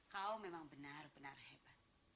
kau memang benar benar hebat